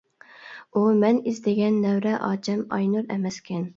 ئۇ مەن ئىزدىگەن نەۋرە ئاچام ئاينۇر ئەمەسكەن.